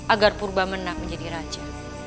agar purba menang menjadi raja